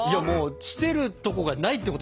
捨てるとこがないってことでしょ？